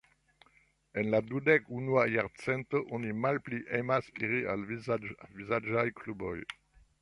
En la dudek-unua jarcento, oni malpli emas iri al vizaĝ-al-vizaĝaj kluboj.